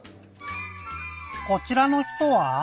こちらの人は？